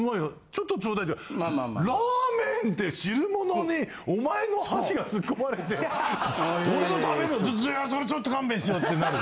「ちょっとちょうだい」ってラーメンって汁物にお前の箸が突っ込まれて俺の食べるそれちょっと勘弁してよってなる。